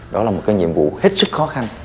đó là một nhiệm vụ hết sức khó khăn